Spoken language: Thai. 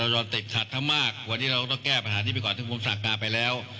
วันนี้เราก็ต้องแก้ปัญหานี้ไปก่อนถึงมุมศาลการณ์ไปแล้ว